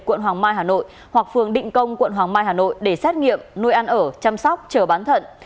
quận hoàng mai hà nội hoặc phường định công quận hoàng mai hà nội để xét nghiệm nuôi ăn ở chăm sóc chờ bán thận